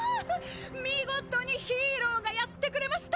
見事にヒーローがやってくれました！